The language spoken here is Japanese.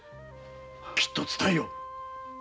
きっと伝えよう。